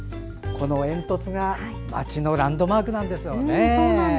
この煙突が街のランドマークなんですよね。